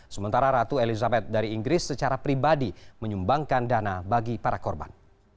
sementara ratu elizabeth dari inggris secara pribadi menyumbangkan dana bagi para korban